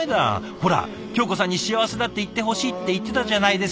ほら京子さんに「幸せだ」って言ってほしいって言ってたじゃないですか。